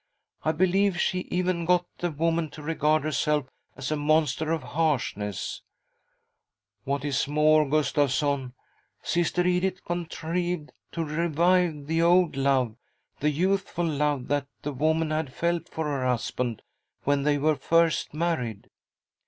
I believe she even got the woman to regard herself as a monster of harshness ! What is more, Gustavsson, Sister Edith contrived to revive the old love — the youthful love that the woman had felt for her husband when they were first married.